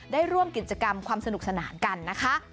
ได้ร่วมกิจกรรมความสนุกสนานกันนะคะ